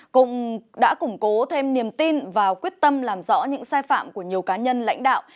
cũng đã củng cố thêm niềm tin và quyết tâm làm rõ những sai phạm của nhiều cá nhân lãnh đạo